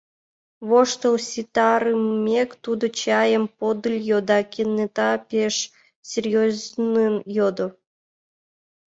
Воштыл ситарымек, тудо чайым подыльо да кенета пеш серьёзнын йодо: